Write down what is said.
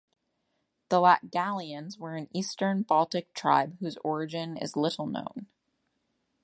The Latgalians were an Eastern Baltic tribe whose origin is little known.